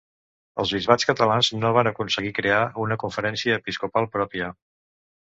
Els bisbats catalans no van aconseguir crear uan Conferència Episcopal pròpia.